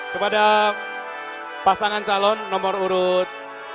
kepada pasangan calon nomor urut dua